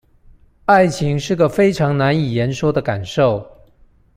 愛情是個非常難以言說的感受